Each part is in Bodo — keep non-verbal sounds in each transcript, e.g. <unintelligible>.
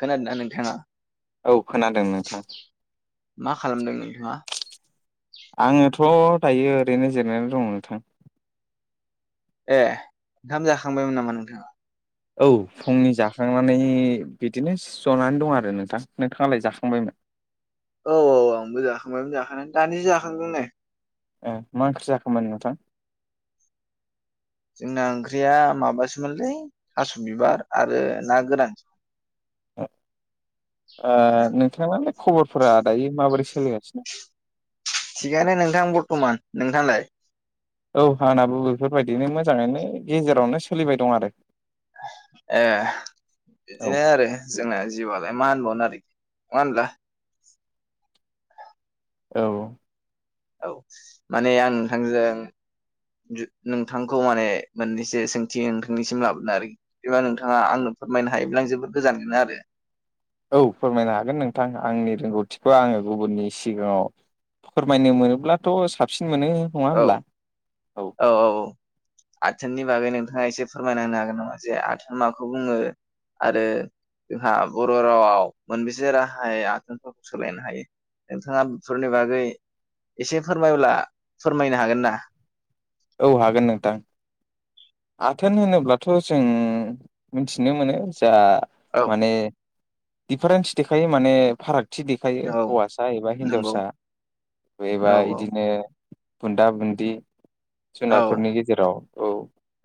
खोनादोंना नोंथाङा औ खोनादों नोंथां मा खालामदों नोंथाङा? आङोथ' दायो ओरैनो जिरनानै दङ नोंथां ए ओंखाम जाखांबायमोन नामा नोंथाङा औ फुंनि जाखांनानै बिदिनो जनानै दं आरो नोंथां नोंथाङालाय जाखांबायमोन? औ औ आंबो जाखांबाय जाखांनायालाय दानिसो जाखांदों नै मा ओंख्रि जाखोमोन नोंथां? जोंना ओंख्रिया माबासोमोनलै थास' बिबार आरो ना गोरान ओ नोंथाङालाय खबरफोरा दायो माबोरै सोलिगासिनो? थिगायनो नोंथां बरथ'मान नोंथांनालाय? औ आंनाबो बेफोरबायदिनो मोजाङैनो गेजेरावनो सोलिबाय दं आरो। ए औ बिदिनो आरो जोंना जिउआलाय मा होनबावनो आरोखि नङा होनब्ला? औ। औ माने आं नोंथांजों नोंथांखौ माने मोननैसो सोंथि नोंथांनिसिम लाबोनो आरोखि। बिदिबा नोंथाङा आंनो फोरमायनो हायोब्ला आं जोबोद गोजोनगोन आरो। औ फोरमायनो हागोन नोंथां आंनि रोंगौथिखौ आङो गुबुननि सिगाङाव फोरमायनो मोनोब्लाथ' साबसिन मोनो नङा औ होनब्ला। औ औ औ। आथोननि बागै नोंथाङा एसे फोरमायना होनो हागोन नामा जे आथोन आ माखौ बुङो? आरो जोंहा बर' रावाव मोनबेसे राहायै आथोनफोरखौ सोलायनो हायो। नोंथाङा बेफोरनि बागै एसे फोरमायब्ला फोरमायनो हागोन ना? औ हागोन नोंथां। आथोन होनोब्लाथ' जों मिथिनो मोनो। जा औ माने दिफारेन्स देखायो माने फाराग थि देखायो औ हौवासा एबा नंगौ हिनजावसा औ एबा इदिनो बुन्दा बुन्दि औ जुनारफोरनि गेजेराव औ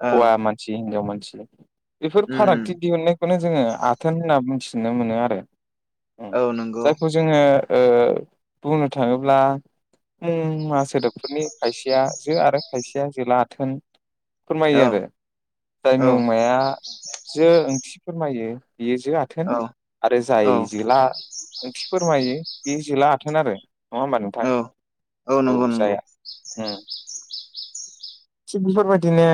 औ हौवा मानसि हिनजाव मानसि बेफोर उम फारागथि दिहुननाय बेखौनो जोङो आथोन होनना मोनथिनो मोनो आरो। उम औ नंगौ। जायखौ जोङो ओ बुंनो थाङोब्ला मुंमा सोदोबफोरनि खायसेया जो आरो खायसेया जोला आथोन फोरमायो औ आरो जाय औ मुंमाया जो ओंथि फोरमायो बेयो जो आथोन औ थोन आरो औ जाय जोला ओंथि फोरमायो बे जोला आथोन आरो नङा होमबा औ नोंथां? औ नंगौ नंगौ जाया उम थि बेफोरबायदि बिदिनो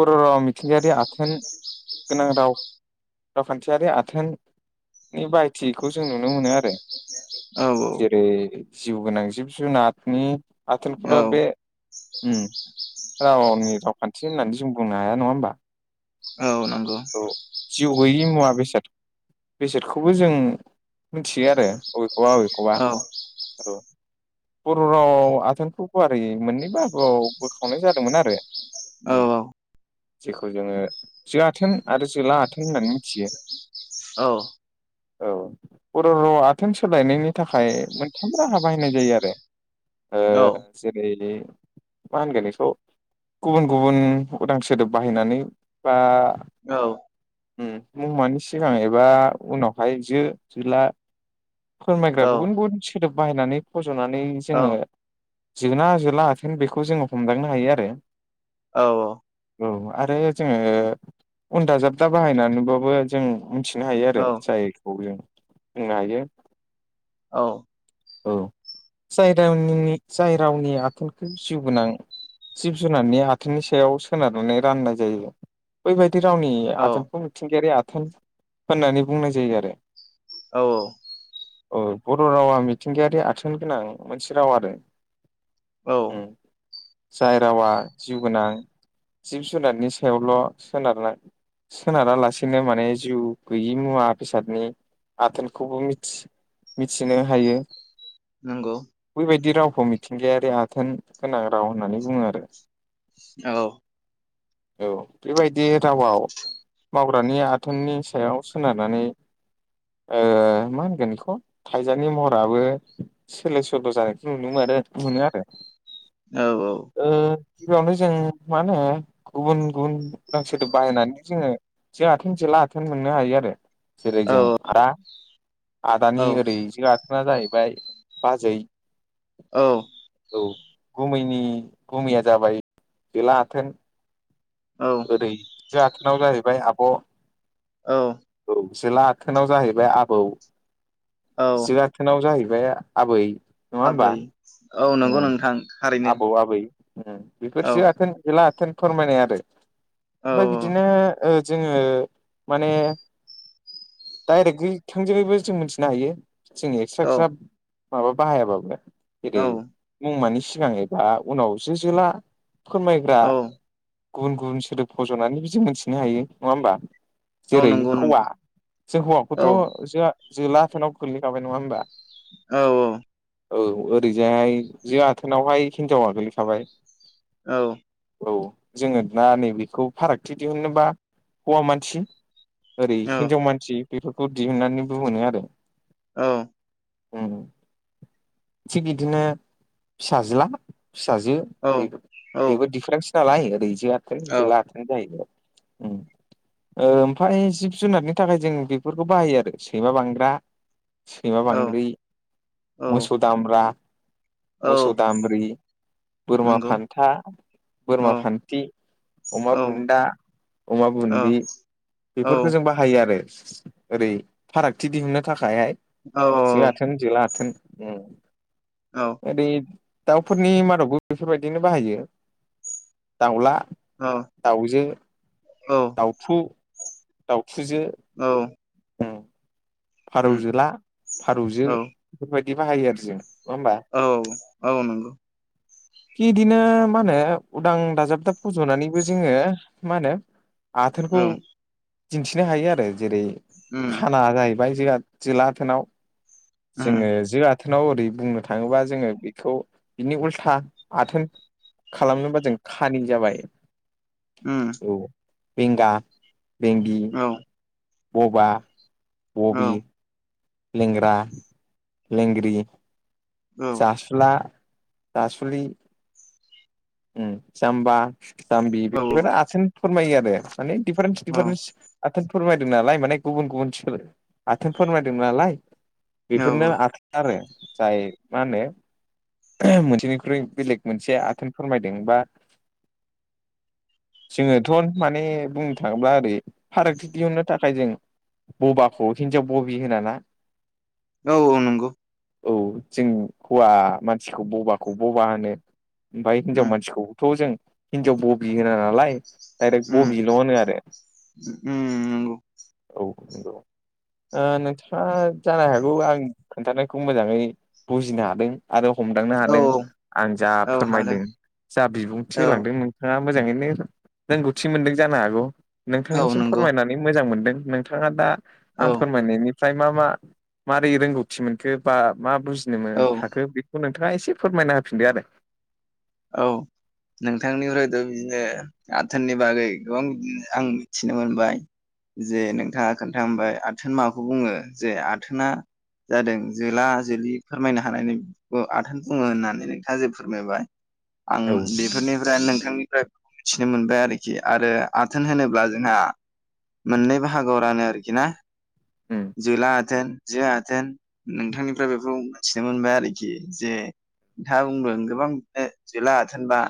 बर' राव मिथिंगायारि आथोन गोनां राव रावखान्थियारि आथोननि बायथिखौ जों नुनो मोनो आरो। औ औ जेरै जिउ गोनां जिब जुनारनि औ आथोलखौल' बे उम रावनि रावखान्थि होननानै जों बुंनो हाया नङा होमबा? औ नंगौ। औ जिउ गैयि मुवा बेसाद बेसादखौबो जों मिथियो आरो अबेखौबा अबेखौबा औ औ बर' राव आथोनखौ गुवार मोननै बाहागोआव बोखावनाय जादोंमोन आरो औ उम जेखौ जोङो आथोन आरो जोला आथोन होननानै मिथियो औ। औ। बर' राव आथोन सोलायनायनि थाखाय मोनथाम राहा बाहायनाय जायो आरो ओ औ जेरै मा होनगोन एखौ गुबुन गुबुन उदां सोदोब बाहायनानै बा औ। उम मुंमानि सिगां एबा उनावहाय जो जला फोरमायग्रा गुबुन गुबुन सोदोब बाहायनानै फज'नानै जोङो जोनना जोला आथेन बेखौ जोङो हमदांनो हायो आरो औ औ। औ आरो जोङो उन दाजाबदा बाहायनानैबाबो जों मोनथिनो हायो औ आरो जायखौ जों बुंनो हायो। औ औ जाय रावनिनि जाय रावनि आथोनखौ जिउ गोनां जिब जुनारनि आथोनि सायाव सोनारनानै राननाय जायो बैबायदि बादि रावनि औ आथोनखौ मिथिंगायारि आथोन होननानै बुंनाय जायो आरो औ औ औ बर' रावा मिथिंगायारि आथोन गोनां मोनसे राव आरो औ जाय रावा जिउ गोनां जिब जुनारनि सायावल' सोनारना सोनारालासेनो माने जिउ गैयि मुवा बेसादनि आथोनखौबो मिथि मिथिनो हायो नंगौ बैबायदि रावखौ मिथिंगायारि आथोन गोनां राव होननानै बुङो आरो औ औ बेबाय दि रावाव मावग्रानि आथोननि सायाव सोनारनानै ओ मा होनगोन बेखौ थाइजानि महराबो सोलाय सोल' जानायखौ नुनो मोनो मोनो आरो औ औ ओ गिबियावनो जों माहोनो गुबुन गुबुन उदां सदो बाहायनानै जोङो जों आथोन जेला आथोन मोननो हायो आरो जेरै औ जों आदा औ आदानि ओरै जि आथोना जाहैबाय बाजै औ औुमैनि गुमैया जाबाय जोला आथोन औ ओरै जो आथोनाव जाहैबाय आब' औ औ जोला आथोनाव जाहैबाय आबौ औ जो आथोनाव जाहैबाय आबै नङा होमबा आबै औ नंगौ ओम नोंथां थारैनो आबौ आबै ओम बेफोर औ जो आथोन जोला आथोन फोरमायनाय आरो औ ओमफ्राय बिदिनो ओ जोङो माने डाइरेक्टै थोंजोंबो जों मिथिनो हायो जों एक्सट्रा औ एक्सट्रा माबा बाहायाबाबो जेरै औ मुंमानि सिगां एबा उनाव जोला फोरमायग्रा औ गुबुन गुबुन सोदोब फज'नानै जों मोनथिनो हायो नङा होमबा औ जेरै नंगौ हौवा नोंथां जों औ हौवाखौथ' जो जोला आथोनाव गोल्लैखाबाय नङा होमबा? औ औ औ ओरैजाय जो आथोनावहाय हिनजावा गोलैखाबाय औ औ जोङो दा नैबेखौ फारागथि दिहुनोबा हौवा मानसि ओरै हिनजाव मानसि बेफोरखौ दिहुननानै बुंगोन आरो औ थिग बिदिनो फिसाज्ला फिसाजो औ बेबो बेबो दिडफारेन्स नालाय ओरै जो आथोन औ जोला आथोन जाहैबाय ओम ओमफ्राय जिब जुनारनि थाखाय जों बेफोरखौ बाहायो आरो सैमा बांग्रा सैमा बांग्रि मोसौ दामब्रा औ मोसौ दामब्रि बोरमा नंगौ फान्था औ बोरमा फान्थि अमा औ बुन्दा अमा औ औ बुन्ददि औ बेफोरखौ औ जों बाहा यो आरो ओरै फारागथि दिहुननो थाखायहाय जो आथोन जोला आथोन ओम औ ओरै दाउफोरनि मादावबो बेफोरबायदिनो बाहायो दाउला दाउजो दाउथु दाउथुजो औ औ फारौजोला फारौजो बेफोरबायदि बाहायो आरो जों नङा हबा औ औ औ नंगौ खि इदिनो मा होनो उदां दाजाब दाब फज'नानैबो जोङो मा होनो औ आथोनखौ दिन्थिनो हायो आरो जेरै उम खाना जायो लाथोनाव उम जोङो आाथोनाव ओरै बुंनो थाङोबा जोङो बेखौ बिनि उल्था आथोन खालामनोबा जों खानि जाबाय उ बेंगा बेंग औ बबा औ बबि लेंग्रा लेंग्रि औ जास सिथ्ला जासुलि जाम्बा जाम्बि औ बेफोर आथिान फोरमायो आरो माने दिडिफारेन्स दिडिफारेन्स आथोन फोरमायदों नालाय माने गुबुन गुबुन सोलो आथोन फोरमायदों नालाय औ बेफोरनो आरो जाय मा होनो मोनसेनिख्रुइ बेलेग मोनसे आथोन फोरमायदोंबा जोङोथ' माने बुंनो थाङोब्ला ओरै फारागथि दिहुननो थाखाय जों बबाखौ हिनजाव बबि होना ना औ नंगौ औ जों हौवा मानसिखौ बबाखौ बबा होनो ओमफफ्राय हिनजाव उम मानसिखौथ' जों हिनजाव बबि होना नालाय डाइरेक्ट उम बबल' होनो आरो उम नंगौ औ नंगौ नोंथाङा जानो हागौ आं खोन्थानायखौ मोजाङै बुजिनो हादों आरो हमदांनो औ हादों आं जा औ हादों फोरमायदों जा बिबुंथि औ होलांदों नोंथाङा मोजाङैनो रोंगौथि मोनदों जानो हागौ औ नोंथांनिसिम नंगौ फोरमायनानै मोजां मोनदों नोंथाङा दा औ आं फोरमायनायनि फ्रफ्राय मा मा मारै रोंगौथि मोनखो बा मा बुजिनो औ हाखो बे नोंथाङा एसे फोरमायना होफिनदो आरो औ नोंथांनिफ्रायथ' बिदिनो आथोननि बागै गोबां बिदिनो आं मिथिनो मोनबाय जे नोंथाङा खोन्था होबाय आथोन माबाखौ बुङो जे आथोना जादों जोला जोलि फोरमायनो हानायनि आथोन बुङो होननानै नोंथाङा जे फोरमायबाय आं औ बेफोरनिफ्राय नोंथांनिफ्राय मिथिनो मोनबाय आरोखि आरो आथोन होनोब्ला जोंहा मोननै बाहागोआव रानो आरोखि ना उम जोला आथोन जे आथोन नोंथांनिफ्राय बेखौ मिथिनो मोनबाय आरोखि जे नोंथाङा बुंदों गोबां बिदिनो जोला थोनबा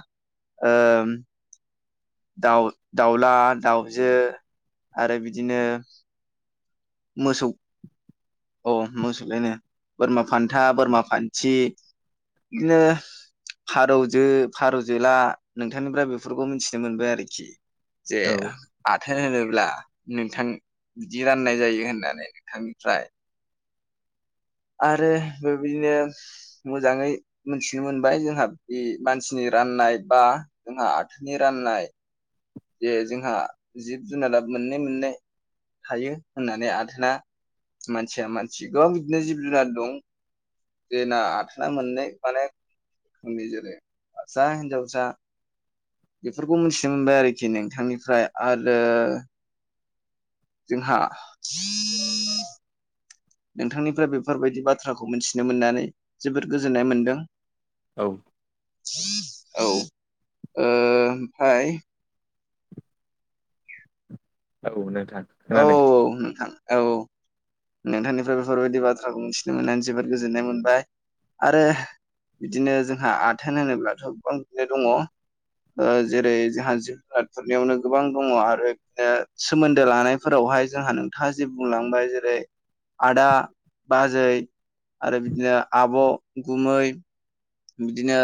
दाउ दाउला दाउजो आरो बिदिनो मोसौ औ मोसौलायनो बोरमा फान्था बोरमा फान्थि बिदिनो फारौजो फारौजोला नोंथांनिफ्राय बेफोरखौ मिथिनो मोनबाय आरोखि जे औ आथोन होनोब्ला नोंथां बिदि राननाय जायो होननानै नोंथांनिफ्राय आरो बेबायदिनो मोजाङै मोनथिनो मोनबाय जोंहा बे मानसिनि राननाय बा जोंहा आथोनि राननाय जे जोंहा जिब जुनारा मोननै मोननै थायो होननानै आथोना मानसिया मानसि गोबां बिदिनो जिब जुनार दं जेना आथोना मोननै माने <unintelligible> हिनजावसा बेफोरखौ मिथिनो मोनबाय आरोखि नोंथांनिफ्राय आरो जोंहा नोंथांनिफ्राय बेफोरबायदि बाथ्राखौ मिथिनो मोननानै जोबोद गोजोननाय मोनदों औ औ ओ ओमफ्राय <unintelligible> औ औ नोंथां औ नोंथांनिफ्राय बेफोरबायदि बाथ्राखौ मिथिनो मोननानै जोबोद गोजोननाय मोनबाय आरो बिदिनो जोंहा आथोन होनोब्लाथ' गोबां बिदिनो दङ ओ जेरै जोंहा जिब जुनारफोरनियावनो गोबां दङ आरो बिदिनो सोमोन्दो लानाय फोरावहाय जोंहा नोंथाङा जे बुंलांबाय जेरै आदा बाजै आरो बिदिनो आब' गुमै बिदिनो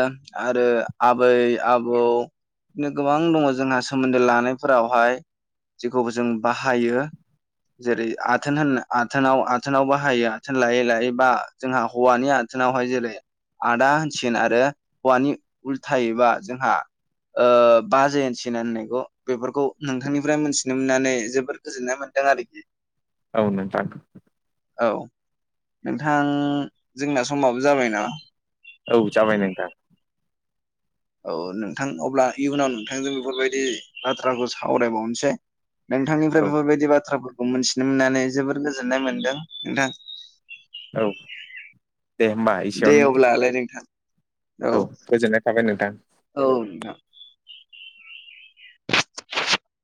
आरो आबै आबौ बिदिनो गोबां दङ जोंहा सोमोन्दो लानायफोरावहाय जेखौबो जों बाहायो जेरै आथोन होन आथोनाव आथोनावबो हायो आथोन लायै लायै बा जोंहा हौवानि आथोनावहाय जेरै आदा आरो हौवानि उल्थायायोबा जोंहा ओ बा जेन सि होनना होननायखौ बेफोरखौ नोंथांनिफ्राय मोनथिनो मोननानै जोबोद गोजोननाय मोन्दों आरोखि <inaudible> औ नोंथां औ नोंथां जोंना समाबो जाबाय नामा औ जाबाय नोंथां औ नोंथां अब्ला इयुनाव नोंथांजों बेफोरबायदि बाथ्राखौ सावरायबावनोसै। नोंथांनिफ्राय औ बेफोरबायदि बाथ्राफोरखौ मिथिनो मोननानै जोबोर गोजोननाय मोनदों नोंथां। औ दे होनबा एसेयावनो <inaudible> औ गोजोननाय थाबाय नोंथां। औ नोंथां